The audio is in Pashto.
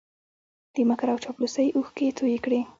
د مکر او چاپلوسۍ اوښکې یې توی کړې